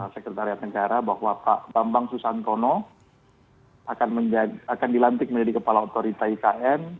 sekretariat negara bahwa pak bambang susantono akan dilantik menjadi kepala otorita ikn